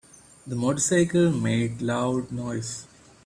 The motorcycle made loud noise.